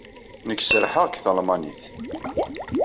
Nekk serrḥeɣ deg talmanit.